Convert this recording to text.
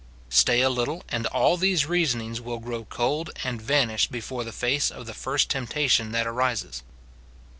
Stay a little, and all these reasonings will grow cold and vanish before the face of the first temptation that arises.